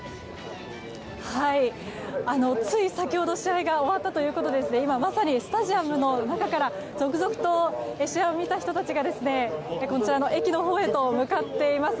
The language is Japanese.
つい先ほど試合が終わったということで今まさにスタジアムの中から続々と試合を見た人たちが駅のほうへと向かっています。